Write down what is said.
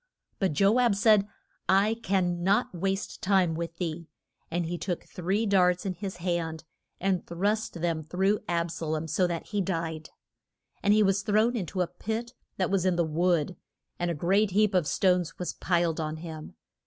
But Jo ab said, I can not waste time with thee. And he took three darts in his hand and thrust them through Ab sa lom, so that he died. And he was thrown in to a pit that was in the wood, and a great heap of stones was piled on him.